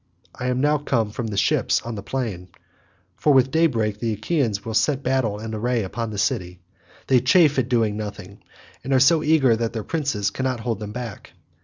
I am now come from the ships on to the plain, for with daybreak the Achaeans will set battle in array about the city. They chafe at doing nothing, and are so eager that their princes cannot hold them back."